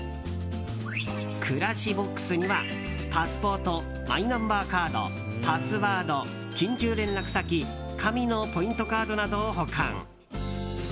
暮らしボックスにはパスポート、マイナンバーカードパスワード、緊急連絡先紙のポイントカードなどを保管。